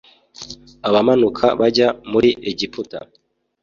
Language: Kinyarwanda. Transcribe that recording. abamanuka bajya muri Egiputa